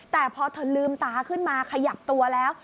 แต่พอเธอลืมตาขึ้นมาขยับตัวแล้ว